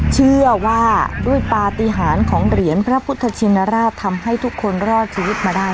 เชื่อว่าด้วยปฏิหารของเหรียญพระพุทธชินราชทำให้ทุกคนรอดชีวิตมาได้